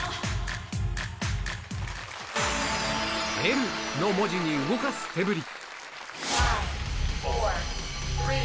Ｌの文字に動かす手ぶり。